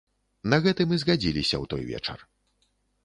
На гэтым і згадзіліся ў той вечар.